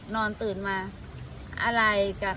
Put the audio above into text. นอนตื่นมาอะไรกับ